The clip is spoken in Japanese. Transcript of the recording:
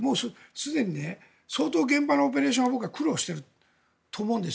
すでに相当現場のオペレーションは苦労していると思うんです。